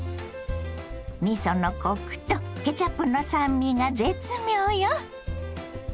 みそのコクとケチャップの酸味が絶妙よ。